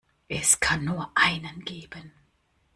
Es kann nur einen geben!